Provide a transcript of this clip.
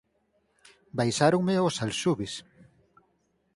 Baixáronme ós alxubes.